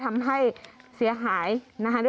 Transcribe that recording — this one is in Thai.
น้ำป่าเสดกิ่งไม้แม่ระมาศ